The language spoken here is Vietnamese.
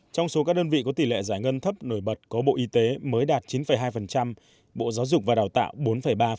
trong số các đơn vị có tỷ lệ giải ngân thấp nổi bật có bộ y tế mới đạt chín hai bộ giáo dục và đào tạo bốn ba